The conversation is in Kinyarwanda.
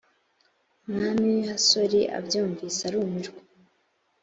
umwami w’i hasori abyumvise arumirwa